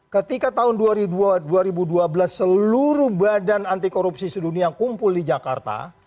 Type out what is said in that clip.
ketika tahun dua ribu dua belas seluruh badan anti korupsi sedunia kumpul di jakarta